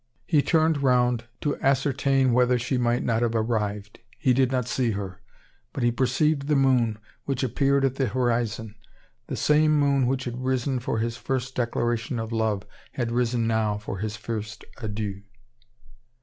He turned round to ascertain whether she might not have arrived. He did not see her, but he perceived the moon, which appeared at the horizon. The same moon which had risen for his first declaration of love had risen now for his first adieu.